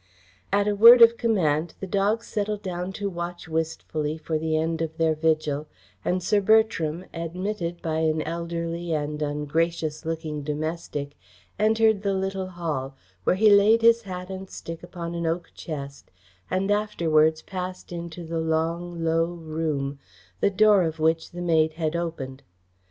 At a word of command, the dogs settled down to watch wistfully for the end of their vigil, and Sir Bertram, admitted by an elderly and ungracious looking domestic, entered the little hall, where he laid his hat and stick upon an oak chest, and afterwards passed into the long, low room, the door of which the maid had opened.